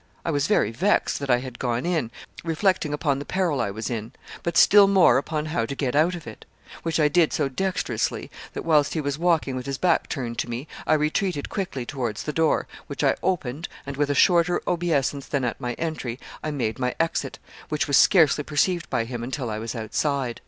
I was very vexed that I had gone in, reflecting upon the peril I was in, but still more upon how to get out of it; which I did so dexterously, that, whilst he was walking with his back turned to me, I retreated quickly towards the door, which I opened, and, with a shorter obeisance than at my entry, I made my exit, which was scarcely perceived by him until I was outside.